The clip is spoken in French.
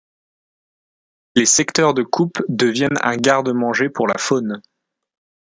Les secteurs de coupe deviennent un garde-manger pour la faune.